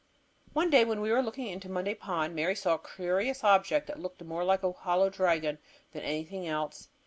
One day when we were looking into Monday Pond, Mary saw a curious object that looked more like a hollow dragon than anything else.